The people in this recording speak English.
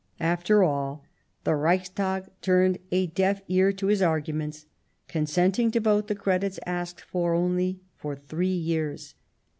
After all, the Reichstag turned a deaf ear to his arguments, consenting to vote the credits asked for only for three years.